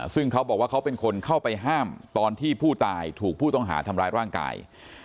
ซึ่งเขาบอกว่าเขาเป็นคนเข้าไปห้ามตอนที่ผู้ตายถูกผู้ต้องหาทำร้ายร่างกาย